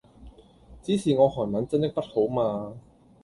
只是我韓文真的不好嘛